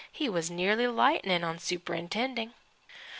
He was nearly lightnin' on superintending.